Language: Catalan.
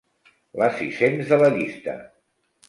La sis-cents de la llista.